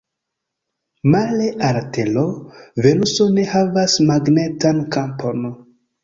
Male al la Tero, Venuso ne havas magnetan kampon.